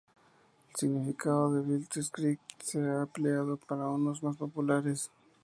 El significado de Blitzkrieg se ha ampliado para usos más populares.